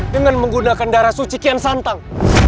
dengan menggunakan darah suci kian santang